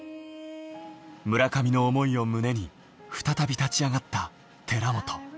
村上の思いを胸に、再び立ち上がった寺本。